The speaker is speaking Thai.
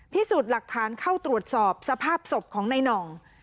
ที่สุดหลักฐานเข้าตรวจสอบสภาพศพของในนอง